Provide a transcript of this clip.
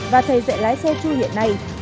và thầy dạy lái xe chui hiện nay